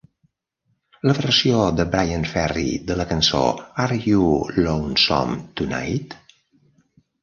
La versió de Bryan Ferry de la cançó Are You Lonesome Tonight?